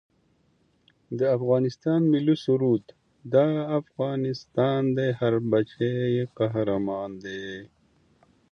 د افغانستان ملي سرود دا افغانستان دی هر بچه یې قهرمان دی